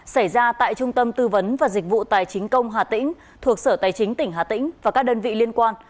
xảy ra tại trung tâm tư vấn và dịch vụ tài chính công hà tĩnh thuộc sở tài chính tỉnh hà tĩnh và các đơn vị liên quan